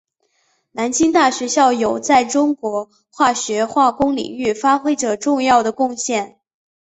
南京大学校友在中国化学化工领域发挥着重要的贡献。